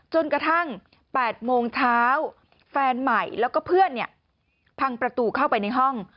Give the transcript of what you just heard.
จนกระทั่ง๘โมงเช้าแฟนใหม่แล้วก็เพื่อนพังประตูเข้าไปในห้อง